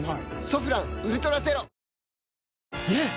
「ソフランウルトラゼロ」ねえ‼